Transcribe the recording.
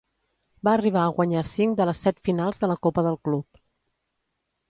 Va arribar a guanyar cinc de les set finals de la copa del club.